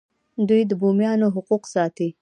دوی د بومیانو حقوق ساتي.